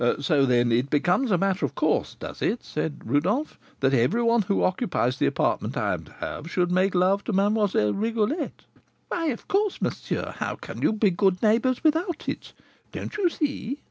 "So, then, it becomes a matter of course, does it," said Rodolph, "that every one who occupies the apartment I am to have should make love to Mlle. Rigolette?" "Why, of course, monsieur; how can you be good neighbours without it, don't you see?